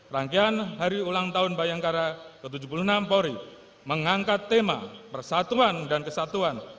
rangkaian hari ulang tahun bayangkara ke tujuh puluh enam polri mengangkat tema persatuan dan kesatuan